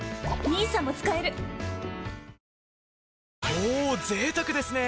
おぉぜいたくですね。